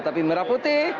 tapi merah putih